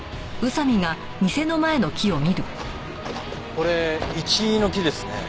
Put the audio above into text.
これイチイの木ですね。